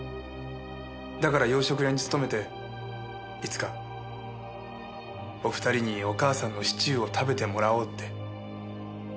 だから洋食屋に勤めていつかお二人にお母さんのシチューを食べてもらおうって。